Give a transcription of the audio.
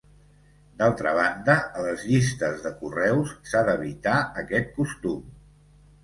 D'altra banda, a les llistes de correus s'ha d'evitar aquest costum.